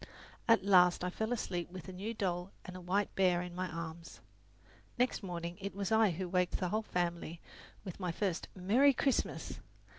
At last I fell asleep with a new doll and a white bear in my arms. Next morning it was I who waked the whole family with my first "Merry Christmas!"